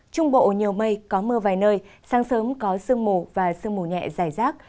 trung bộ nhiều mây có mưa vài nơi sáng sớm có sương mù và sương mù nhẹ dài rác